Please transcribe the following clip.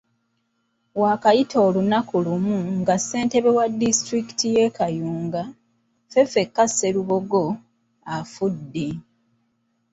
Waakayita olunaku lumu nga ssentebe wa disitulikiti y’e Kayunga, Ffeffeka Sserubogo, afudde.